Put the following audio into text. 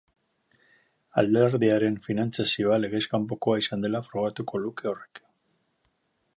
Alderdiaren finantziazioa legez kanpokoa izan zela frogatuko luke horrek.